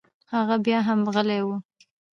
هغه بيا هم غلى و.